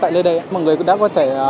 tại nơi đây mọi người cũng đã có thể